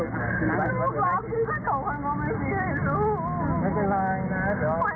ไม่อยากถามเขาว่าเขาทำแบบนี้ทำไม